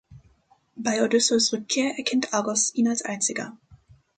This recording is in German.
Bei Odysseus’ Rückkehr erkennt Argos ihn als Einziger.